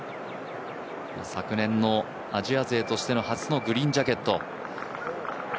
昨年のアジア勢としての初のグリーンジャケット。